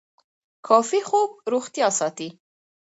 کافي خوب روغتیا ساتي.